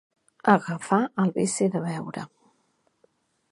Agafar el vici de beure.